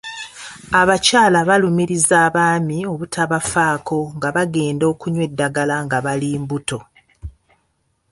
Abakyala baalumiriza abaami obutabafaako nga bagenda okunywa eddagala nga bali mbuto.